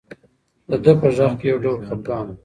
د ده په غږ کې یو ډول خپګان و.